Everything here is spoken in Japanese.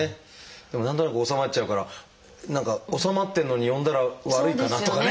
でも何となく治まっちゃうから治まってるのに呼んだら悪いかなとかね